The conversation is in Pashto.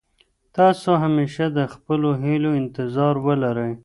تاسو همېشه د خپلو هيلو انتظار ولرئ.